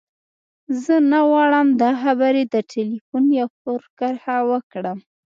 زه نه غواړم دا خبرې د ټليفون پر کرښه وکړم.